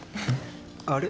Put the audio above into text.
あれ？